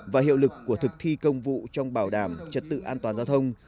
và hiệu lực của thực thi công vụ trong bảo đảm trật tự an toàn giao thông